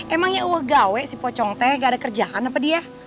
emangnya wah gawe si pocong teh gak ada kerjaan apa dia